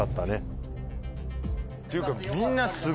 っていうか。